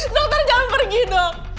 dokter jangan pergi dong